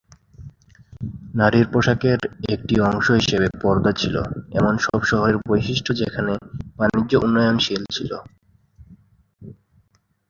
নারীর পোশাকের একটি অংশ হিসেবে পর্দা ছিল এমন সব শহরের বৈশিষ্ট্য যেখানে বাণিজ্য উন্নয়নশীল ছিল।